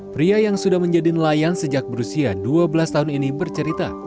pria yang sudah menjadi nelayan sejak berusia dua belas tahun ini bercerita